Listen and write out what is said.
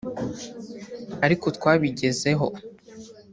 ariko twabigezeho